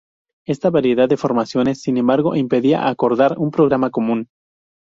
Esta variedad de formaciones, sin embargo, impedía acordar un programa común.